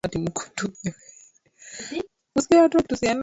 Hapa Kenya viongozi wanaamua tu na kuandika